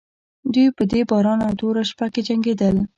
دوی په دې باران او توره شپه کې جنګېدل.